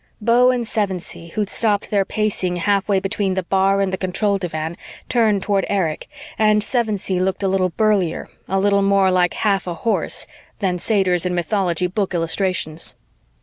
Beau and Sevensee, who'd stopped their pacing halfway between the bar and the control divan, turned toward Erich, and Sevensee looked a little burlier, a little more like half a horse, than satyrs in mythology book illustrations.